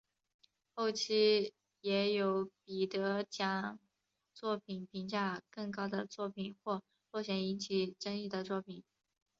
后期也有比得奖作品评价更高的作品或落选引起争议的作品。